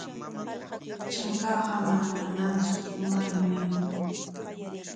Trankaaqa manam nanantsu, umaami nana.